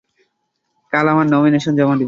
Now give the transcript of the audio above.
কাল আমার নমিনেশন জমা দিবো।